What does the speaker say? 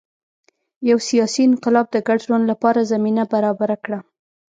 یو سیاسي انقلاب د ګډ ژوند لپاره زمینه برابره کړه